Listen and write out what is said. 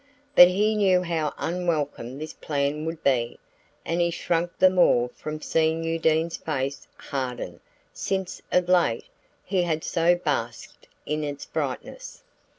But he knew how unwelcome this plan would be, and he shrank the more from seeing Undine's face harden; since, of late, he had so basked in its brightness.